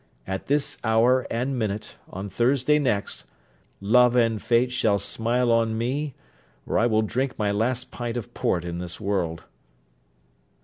At this hour and minute, on Thursday next, love and fate shall smile on me, or I will drink my last pint of port in this world.'